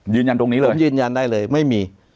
ยืนยันตรงนี้เลยผมยืนยันได้เลยไม่มี